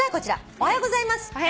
おはようございます。